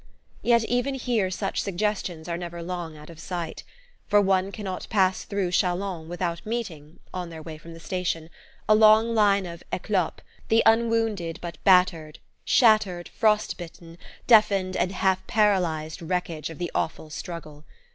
Yet even here such suggestions are never long out of sight; for one cannot pass through Chalons without meeting, on their way from the station, a long line of "eclopes" the unwounded but battered, shattered, frost bitten, deafened and half paralyzed wreckage of the awful struggle.